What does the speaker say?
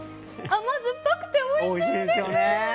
甘酸っぱくておいしいです！